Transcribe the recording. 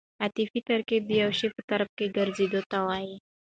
عطفي ترکیب د یو شي په طرف ګرځېدو ته وایي.